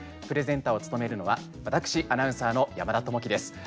プレゼンターを務めるのは私、アナウンサーの山田朋生です。